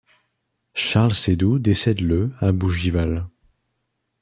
Charles Seydoux décède le à Bougival.